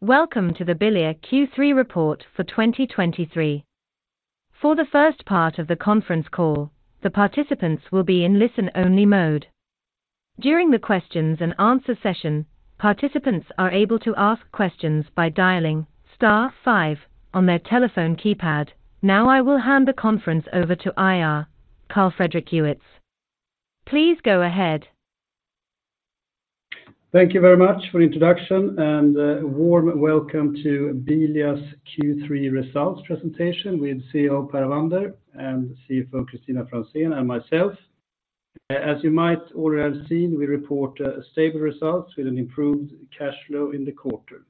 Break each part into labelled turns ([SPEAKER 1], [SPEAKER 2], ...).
[SPEAKER 1] Welcome to the Bilia Q3 report for 2023. For the first part of the conference call, the participants will be in listen-only mode. During the questions and answer session, participants are able to ask questions by dialing star five on their telephone keypad. Now, I will hand the conference over to IR, Carl Fredrik Ewetz. Please go ahead.
[SPEAKER 2] Thank you very much for the introduction, and a warm welcome to Bilia's Q3 Results Presentation with CEO Per Avander and CFO Kristina Franzén and myself. As you might already have seen, we report stable results with an improved cash flow in the quarter.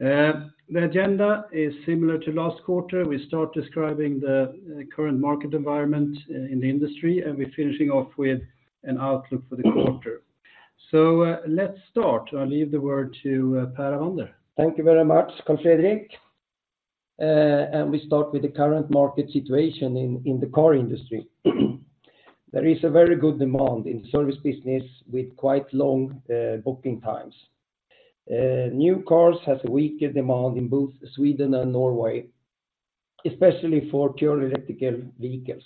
[SPEAKER 2] The agenda is similar to last quarter. We start describing the current market environment in the industry, and we're finishing off with an outlook for the quarter. So, let's start. I'll leave the word to Per Avander.
[SPEAKER 3] Thank you very much, Carl Fredrik. And we start with the current market situation in the car industry. There is a very good demand in service business with quite long booking times. New cars has a weaker demand in both Sweden and Norway, especially for pure electrical vehicles.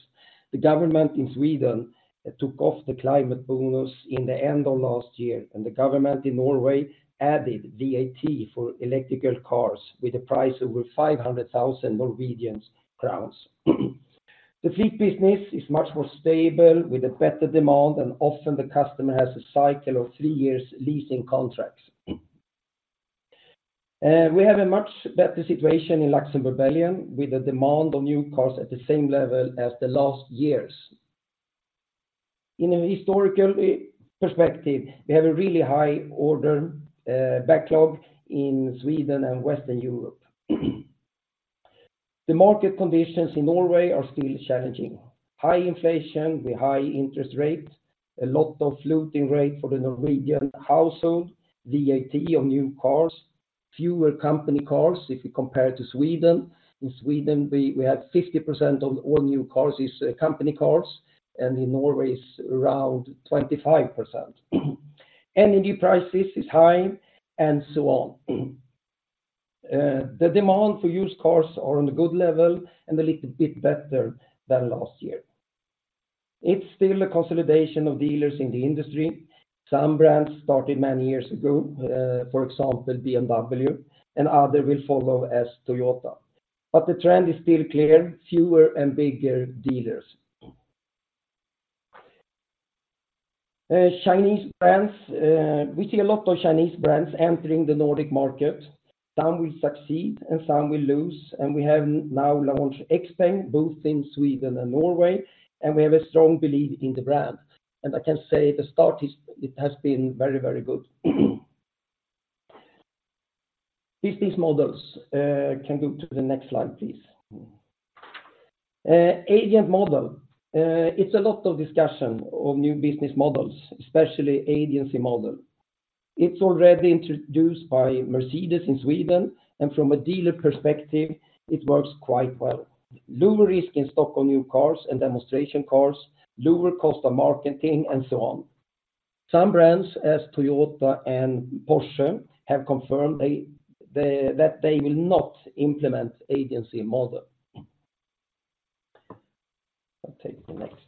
[SPEAKER 3] The government in Sweden took off the climate bonus in the end of last year, and the government in Norway added VAT for electrical cars with a price over 500,000 Norwegian crowns. The fleet business is much more stable with a better demand, and often the customer has a cycle of three years leasing contracts. We have a much better situation in Luxembourg, Belgium, with the demand on new cars at the same level as the last years. In a historical perspective, we have a really high order backlog in Sweden and Western Europe. The market conditions in Norway are still challenging. High inflation with high interest rates, a lot of floating rate for the Norwegian household, VAT on new cars, fewer company cars, if you compare to Sweden. In Sweden, we had 50% of all new cars is company cars, and in Norway is around 25%. Energy prices is high, and so on. The demand for used cars are on a good level and a little bit better than last year. It's still a consolidation of dealers in the industry. Some brands started many years ago, for example, BMW, and other will follow as Toyota. But the trend is still clear, fewer and bigger dealers. Chinese brands. We see a lot of Chinese brands entering the Nordic market. Some will succeed and some will lose, and we have now launched XPeng, both in Sweden and Norway, and we have a strong belief in the brand. I can say the start is it has been very, very good. Business models. Agency model. It's a lot of discussion of new business models, especially agency model. It's already introduced by Mercedes-Benz in Sweden, and from a dealer perspective, it works quite well. Lower risk in stock on new cars and demonstration cars, lower cost of marketing, and so on. Some brands as Toyota and Porsche have confirmed that they will not implement agency model. I'll take the next.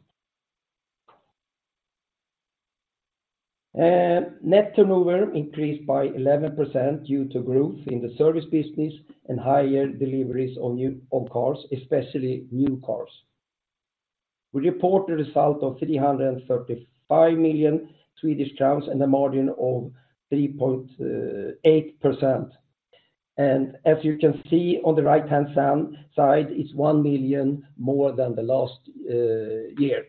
[SPEAKER 3] Net turnover increased by 11% due to growth in the service business and higher deliveries on new, on cars, especially new cars. We report a result of 335 million Swedish crowns and a margin of 3.8%. And as you can see on the right-hand side, it's 1 million more than the last year.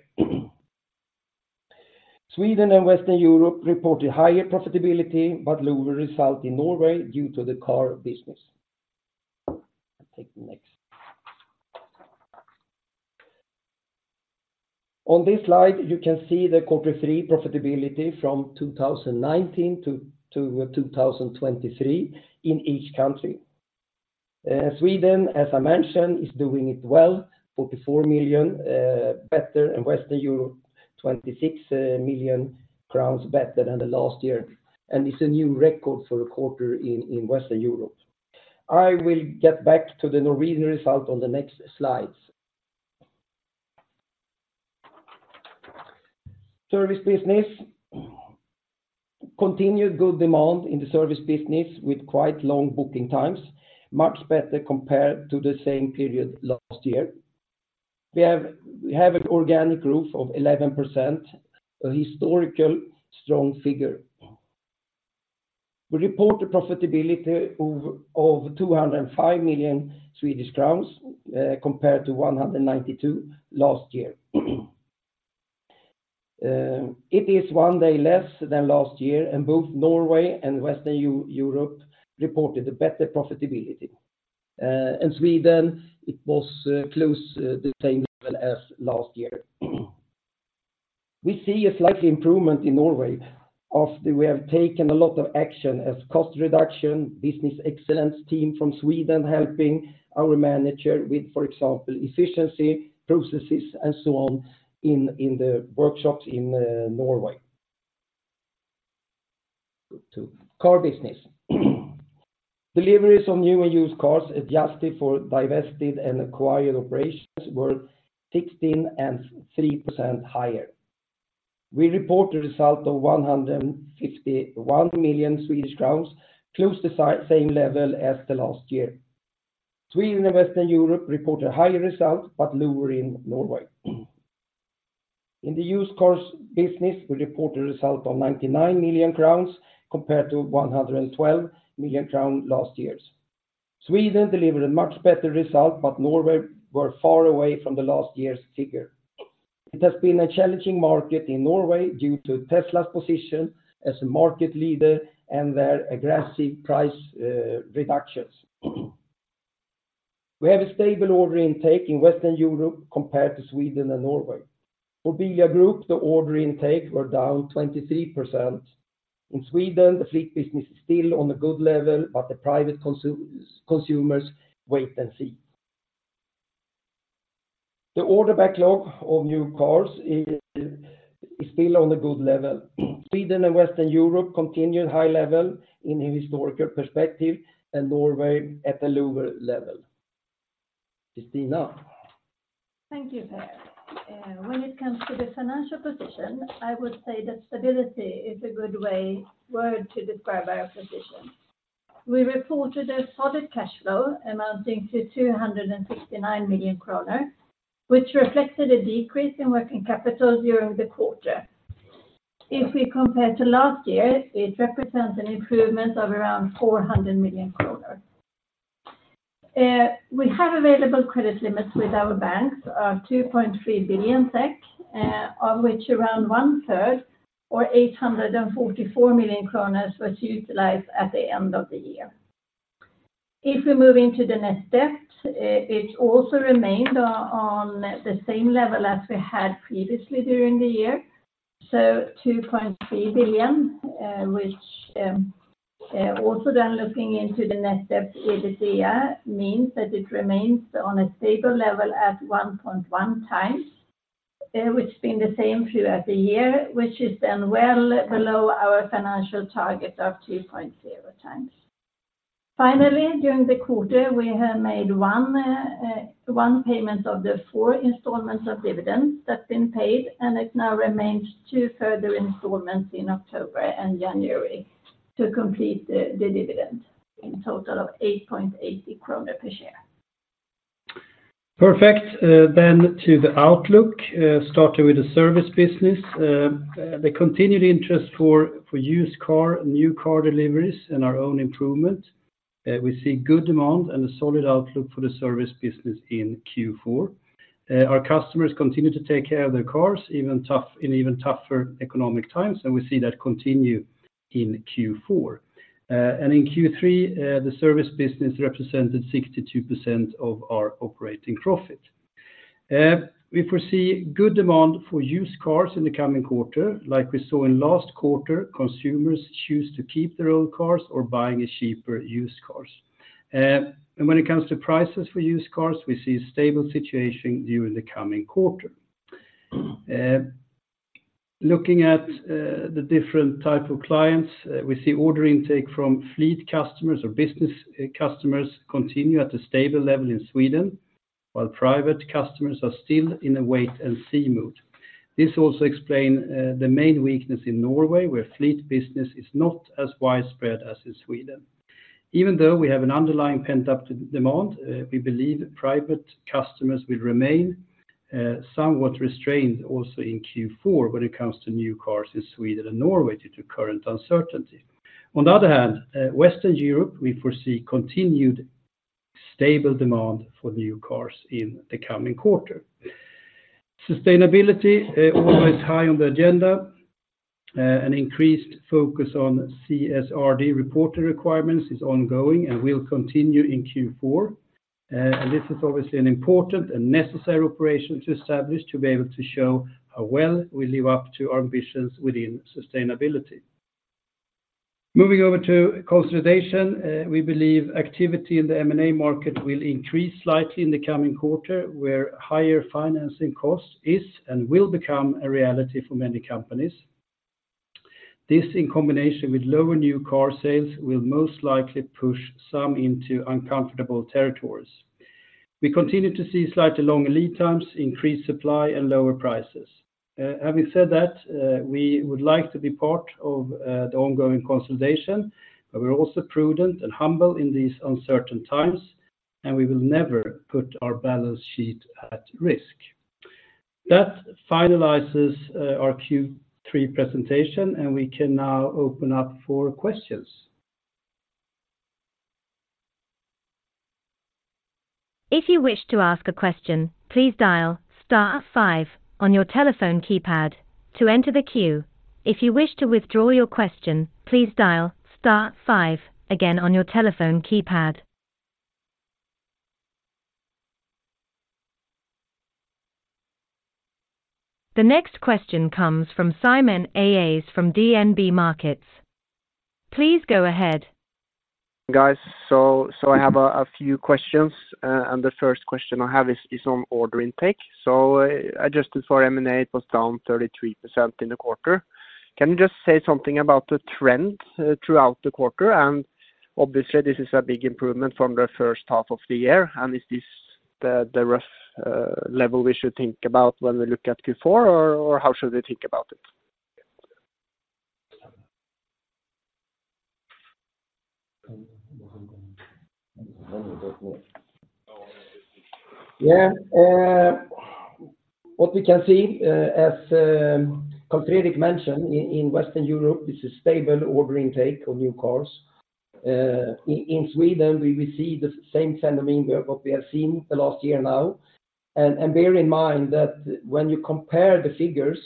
[SPEAKER 3] Sweden and Western Europe reported higher profitability, but lower result in Norway due to the car business. I'll take the next. On this slide, you can see the quarter three profitability from 2019 to 2023 in each country. Sweden, as I mentioned, is doing it well, 44 million better, and Western Europe, 26 million crowns better than the last year, and it's a new record for a quarter in Western Europe. I will get back to the Norwegian result on the next slides. Service business. Continued good demand in the service business with quite long booking times, much better compared to the same period last year. We have an organic growth of 11%, a historical strong figure. We report a profitability of 205 million Swedish crowns compared to 192 million last year. It is one day less than last year, and both Norway and Western Europe reported a better profitability. And Sweden, it was close, the same level as last year. We see a slight improvement in Norway after we have taken a lot of action as cost reduction, business excellence team from Sweden, helping our manager with, for example, efficiency, processes, and so on in the workshops in Norway. Car business. Deliveries on new and used cars adjusted for divested and acquired operations were 16% and 3% higher. We report a result of 151 million Swedish crowns, close the same level as the last year. Sweden and Western Europe reported a higher result, but lower in Norway. In the used cars business, we report a result of 99 million crowns, compared to 112 million crown last year's. Sweden delivered a much better result, but Norway were far away from the last year's figure. It has been a challenging market in Norway due to Tesla's position as a market leader and their aggressive price reductions. We have a stable order intake in Western Europe compared to Sweden and Norway. For Bilia Group, the order intake were down 23%. In Sweden, the fleet business is still on a good level, but the private consumers wait and see. The order backlog of new cars is still on a good level. Sweden and Western Europe continue high level in a historical perspective, and Norway at a lower level. Kristina?
[SPEAKER 4] Thank you, Per. When it comes to the financial position, I would say that stability is a good way, word to describe our position. We reported a solid cash flow amounting to 269 million kronor, which reflected a decrease in working capital during the quarter. If we compare to last year, it represents an improvement of around 400 million kronor. We have available credit limits with our banks of 2.3 billion SEK, of which around one-third, or 844 million kronor, was utilized at the end of the year. If we move into the net debt, it also remained on the same level as we had previously during the year, so 2.3 billion, which also then looking into the net debt/EBITDA, means that it remains on a stable level at 1.1x, which has been the same throughout the year, which is then well below our financial target of 2.0x. Finally, during the quarter, we have made one payment of the four installments of dividends that's been paid, and it now remains two further installments in October and January to complete the dividend in a total of 8.80 kronor per share.
[SPEAKER 2] Perfect. Then to the outlook, starting with the service business. The continued interest for used car and new car deliveries and our own improvement, we see good demand and a solid outlook for the service business in Q4. Our customers continue to take care of their cars, even though in even tougher economic times, and we see that continue in Q4. And in Q3, the service business represented 62% of our operating profit. We foresee good demand for used cars in the coming quarter. Like we saw in last quarter, consumers choose to keep their own cars or buying a cheaper used cars. And when it comes to prices for used cars, we see a stable situation during the coming quarter. Looking at the different types of clients, we see order intake from fleet customers or business customers continue at a stable level in Sweden, while private customers are still in a wait and see mood. This also explain the main weakness in Norway, where fleet business is not as widespread as in Sweden. Even though we have an underlying pent-up demand, we believe private customers will remain somewhat restrained also in Q4 when it comes to new cars in Sweden and Norway due to current uncertainty. On the other hand, Western Europe, we foresee continued stable demand for new cars in the coming quarter. Sustainability always high on the agenda. An increased focus on CSRD reporting requirements is ongoing and will continue in Q4. And this is obviously an important and necessary operation to establish, to be able to show how well we live up to our ambitions within sustainability. Moving over to consolidation, we believe activity in the M&A market will increase slightly in the coming quarter, where higher financing cost is and will become a reality for many companies. This, in combination with lower new car sales, will most likely push some into uncomfortable territories. We continue to see slightly longer lead times, increased supply, and lower prices. Having said that, we would like to be part of the ongoing consolidation, but we're also prudent and humble in these uncertain times, and we will never put our balance sheet at risk. That finalizes our Q3 presentation, and we can now open up for questions.
[SPEAKER 1] If you wish to ask a question, please dial star five on your telephone keypad to enter the queue. If you wish to withdraw your question, please dial star five again on your telephone keypad. The next question comes from Simen Aas from DNB Markets. Please go ahead.
[SPEAKER 5] Guys, so, so I have a, a few questions. And the first question I have is, is on order intake. So adjusted for M&A, it was down 33% in the quarter. Can you just say something about the trend throughout the quarter? And obviously, this is a big improvement from the first half of the year, and is this the, the rough level we should think about when we look at Q4, or, or how should we think about it?
[SPEAKER 3] Yeah. What we can see, as Carl Fredrik mentioned, in Western Europe, it's a stable order intake of new cars. In Sweden, we will see the same phenomenon what we have seen the last year now. And bear in mind that when you compare the figures,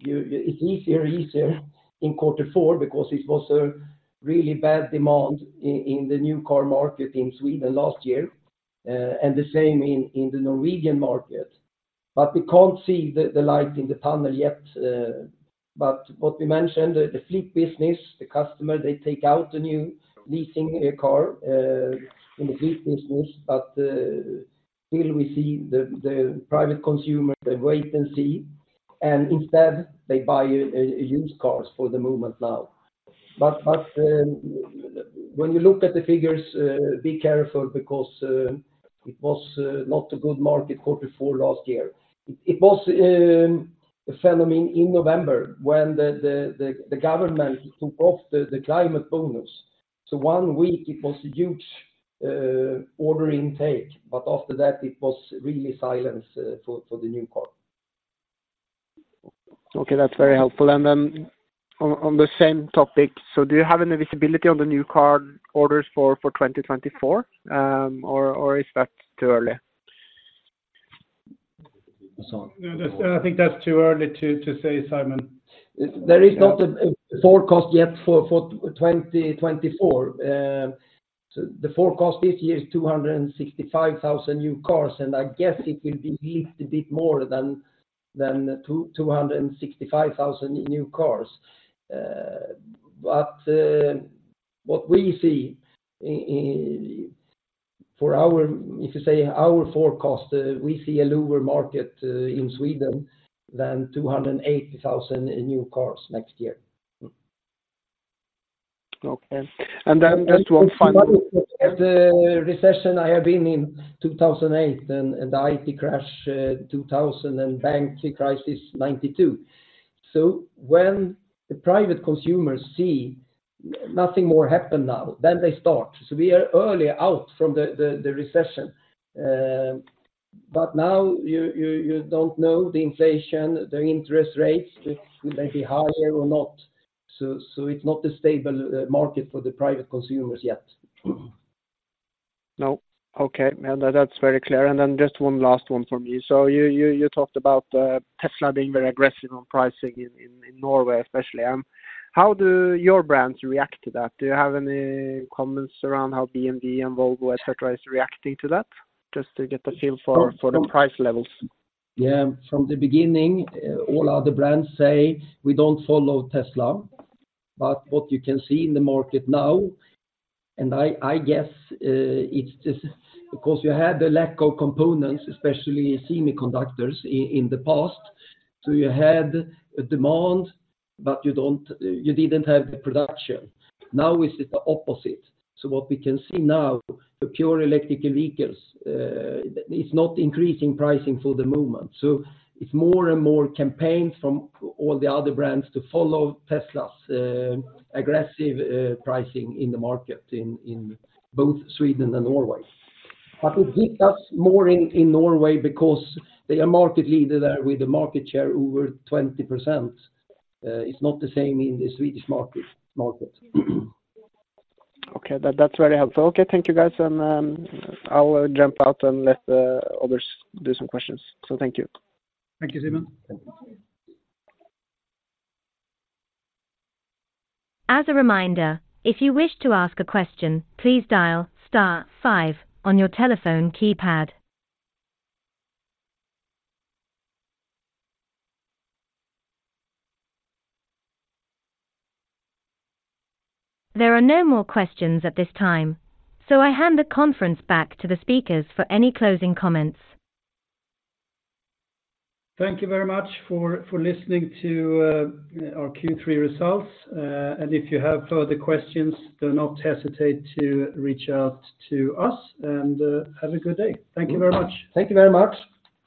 [SPEAKER 3] it's easier and easier in Q4 because it was a really bad demand in the new car market in Sweden last year, and the same in the Norwegian market. But we can't see the light in the tunnel yet, but what we mentioned, the fleet business, the customer, they take out the new leasing car in the fleet business. But still we see the private consumer, they wait and see, and instead they buy used cars for the moment now. When you look at the figures, be careful because it was not a good market Q4 last year. It was a phenomenon in November when the government took off the climate bonus. So one week it was a huge order intake, but after that it was really silence for the new car.
[SPEAKER 5] Okay, that's very helpful. And then on the same topic, so do you have any visibility on the new car orders for 2024? Or is that too early?
[SPEAKER 2] I think that's too early to say, Simen.
[SPEAKER 3] There is not a forecast yet for 2024. So the forecast this year is 265,000 new cars, and I guess it will be at least a bit more than the 265,000 new cars. But what we see for our. If you say our forecast, we see a lower market in Sweden than 280,000 in new cars next year.
[SPEAKER 5] Okay. Then just one final.
[SPEAKER 3] At the recession, I have been in 2008, and the IT crash, 2000, and banking crisis, 1992. So when the private consumers see nothing more happen now, then they start. So we are early out from the recession. But now you don't know the inflation, the interest rates, will they be higher or not? So it's not a stable market for the private consumers yet.
[SPEAKER 5] No. Okay, and that's very clear. Then just one last one for me. So you talked about Tesla being very aggressive on pricing in Norway, especially. How do your brands react to that? Do you have any comments around how BMW and Volvo, et cetera, is reacting to that? Just to get a feel for the price levels.
[SPEAKER 3] Yeah. From the beginning, all other brands say, "We don't follow Tesla." But what you can see in the market now, and I guess, it's just because you had a lack of components, especially semiconductors, in the past, so you had a demand, but you don't, you didn't have the production. Now, it's the opposite. So what we can see now, the pure electrical vehicles is not increasing pricing for the moment. So it's more and more campaigns from all the other brands to follow Tesla's aggressive pricing in the market in both Sweden and Norway. But it hits us more in Norway because they are market leader there with a market share over 20%. It's not the same in the Swedish market.
[SPEAKER 5] Okay. That's very helpful. Okay, thank you, guys. And, I'll jump out and let others do some questions. So thank you.
[SPEAKER 2] Thank you, Simen.
[SPEAKER 1] As a reminder, if you wish to ask a question, please dial star five on your telephone keypad. There are no more questions at this time, so I hand the conference back to the speakers for any closing comments.
[SPEAKER 2] Thank you very much for listening to our Q3 results. If you have further questions, do not hesitate to reach out to us, and have a good day. Thank you very much.
[SPEAKER 3] Thank you very much.